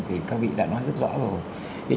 thì các vị đã nói rất rõ rồi